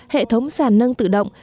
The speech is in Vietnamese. hệ thống sàn nâng tự động